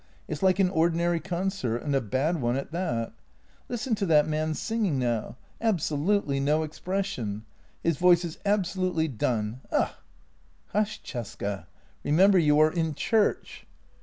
It's like an ordinary con cert, and a bad one at that. Listen to that man singing now — absolutely no expression. His voice is absolutely done. Ugh! "" Hush, Cesca! Remember you are in church."